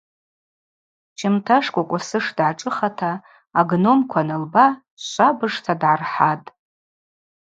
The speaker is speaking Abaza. Щымта Шкӏвокӏвасыш дгӏашӏыхата, агномква анылба, швабыжта дгӏархӏатӏ.